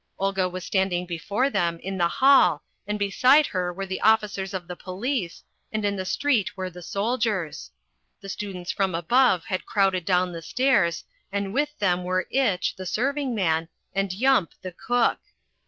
Olga was standing before them in the hall and beside her were the officers of the police, and in the street were the soldiers. The students from above had crowded down the stairs and with them were Itch, the serving man, and Yump, the cook.